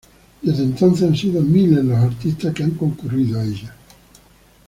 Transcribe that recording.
Desde entonces han sido miles los artistas que han concurrido a ella.